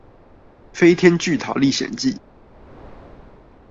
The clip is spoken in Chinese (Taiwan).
飛天巨桃歷險記